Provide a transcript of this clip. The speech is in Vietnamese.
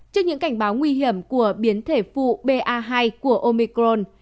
trước những cảnh báo nguy hiểm của biến thể phụ ba hai của omicron